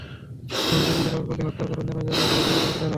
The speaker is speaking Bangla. বন্ধুদের জিজ্ঞাসাবাদ করলেই হত্যার কারণ জানা যাবে বলে দাবি করেন তাঁরা।